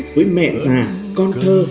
với mẹ già con thơ